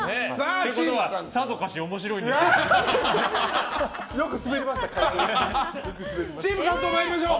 ということはさぞかし面白いんでしょう。